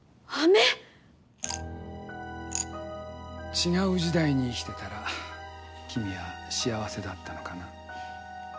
違う時代に生きてたら君は幸せだったのかな。ですね。